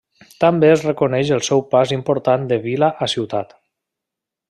També es reconeix el seu pas important de vila a ciutat.